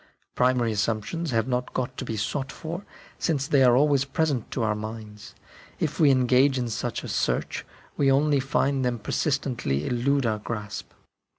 Primary assumptions have not got to be sought for, since they are always present to our minds ; if we engage in such a search, we only find them persistently elude our grasp.